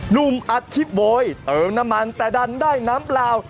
ุ่มอัดคลิปโวยเติมน้ำมันแต่ดันได้น้ำเปล่า